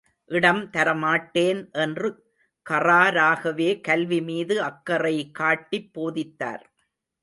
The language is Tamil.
இடம் தரமாட்டேன் என்று கறாராகவே கல்வி மீது அக்கறை காட்டிப் போதித்தார்.